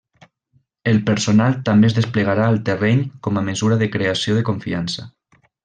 El personal també es desplegarà al terreny com a mesura de creació de confiança.